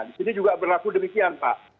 di sini juga berlaku demikian pak